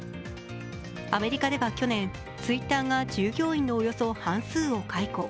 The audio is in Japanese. アメリカでは去年、Ｔｗｉｔｔｅｒが従業員のおよそ半数を解雇。